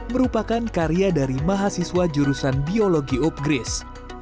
merupakan karya dari mahasiswa jurusan biologi upgris